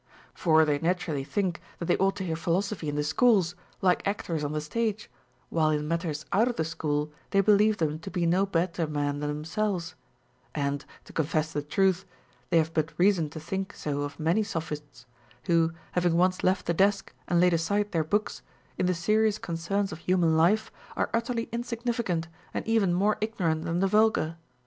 For they naturally think that they ought to hear philosophy in tlie schools, like actors on the stage, Avhile in matters out of the school they believe them to be no better men tlian themselves ; and, to confess the truth, they have but reason to think so of many Sophists, who, having once left th(i desk and laid aside their books, in the serious concerns of human life are utterly insignificant and even more ignorant than the vulgar.